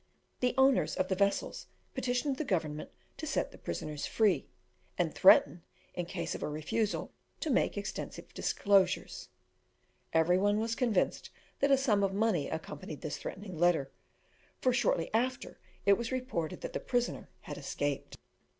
The owners of the vessels petitioned the government to set the prisoners free, and threatened, in case of a refusal, to make extensive disclosures. Every one was convinced that a sum of money accompanied this threatening letter, for shortly after it was reported that the prisoner had escaped.